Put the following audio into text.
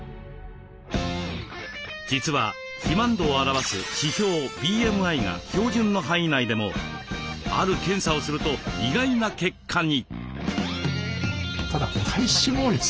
実は肥満度を表す指標ＢＭＩが標準の範囲内でもある検査をすると意外な結果に。